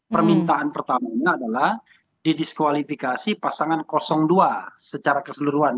permintaan pertamanya adalah didiskualifikasi pasangan dua secara keseluruhan